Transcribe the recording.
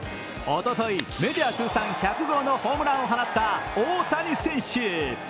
おととい、メジャー通算１００号のホームランを放った大谷選手。